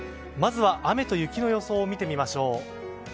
まずは雨と雪の予想を見てみましょう。